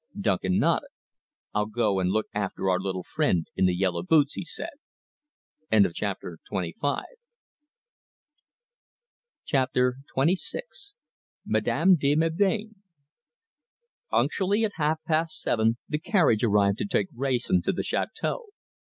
Duncan nodded. "I'll go and look after our little friend in the yellow boots," he said. CHAPTER XXVI MADAME DE MELBAIN Punctually at half past seven the carriage arrived to take Wrayson to the château.